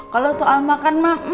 kalau soal makan ma